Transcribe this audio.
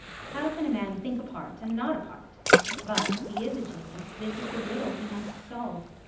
How can a man think apart and not apart? But if he is a genius this is the riddle he must solve.